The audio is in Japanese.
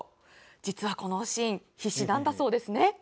実は、このシーン必死なんだそうですね。